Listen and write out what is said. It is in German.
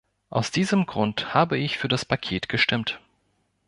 Aus diesem Grund habe ich für das "Paket" gestimmt.